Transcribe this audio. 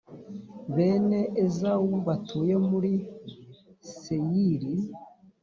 bene ezawu batuye muri seyiri.